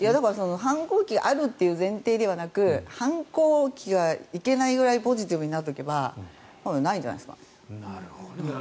反抗期があるという前提ではなく反抗期がいけないくらいポジティブになる時はないんじゃないですか。